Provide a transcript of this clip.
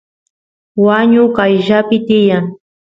wañu qayllapi tiyan